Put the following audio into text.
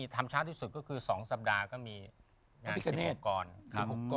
ทำช้าที่สุดก็คือ๒สัปดาห์ก็มีงานสุขกร